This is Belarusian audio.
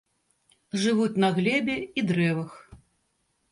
Жывуць на глебе і дрэвах.